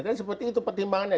kan seperti itu pertimbangannya